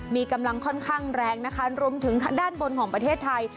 มีกำลังค่อนข้างแรงนะคะรวมถึงด้านบนของประเทศไทย